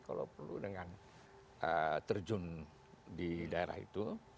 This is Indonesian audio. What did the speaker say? kalau perlu dengan terjun di daerah itu